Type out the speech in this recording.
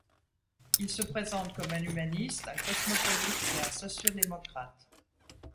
Il se présente comme un humaniste, un cosmopolite et un socio-démocrate.